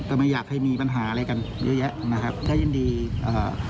ไม่อยากให้มีปัญหาอะไรกันเยอะแยะนะครับถ้ายินดีเอ่อ